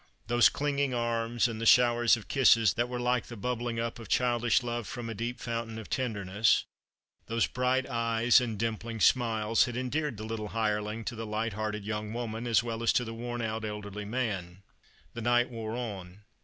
Those clinging arms, and the showers of kisses that were like the bubbling up of childish love from a deep fountain of tenderness ; those bright eyes and dimpling smiles, had endeared the little hireling to the light hearted young woman as well as to the worn out elderly man. The ChristxMas Hirelings. 227 The night wore on.